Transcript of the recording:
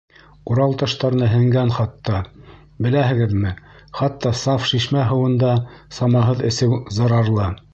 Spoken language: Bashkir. Урал таштарына һеңгән хатта Беләһегеҙме, хатта саф шишмә һыуын да самаһыҙ эсеү зарарлы!